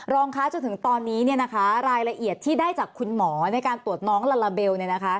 รองคะจนถึงตอนนี้เนี่ยนะคะรายละเอียดที่ได้จากคุณหมอในการตรวจน้องลาลาเบล